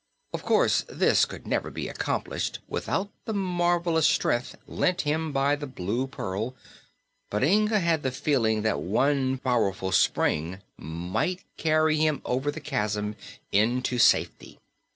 Of course, this could never be accomplished without the marvelous strength lent him by the Blue Pearl, but Inga had the feeling that one powerful spring might carry him over the chasm into safety.